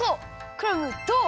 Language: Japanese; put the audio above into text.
クラムどう？